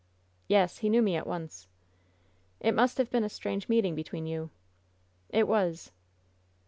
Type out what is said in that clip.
"Yes, he knew me at once." "It must have been a strange meeting between you." "It was."